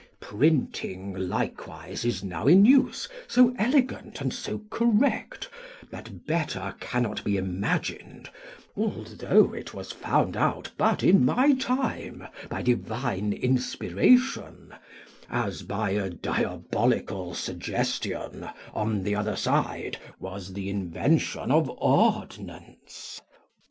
Printing likewise is now in use, so elegant and so correct that better cannot be imagined, although it was found out but in my time by divine inspiration, as by a diabolical suggestion on the other side was the invention of ordnance.